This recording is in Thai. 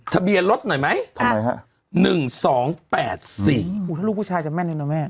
ทะเบียรถหน่อยไหมทำไมค่ะหนึ่งสองแปดสี่ถ้าลูกผู้ชายจะแม่นหนึ่งนะแม่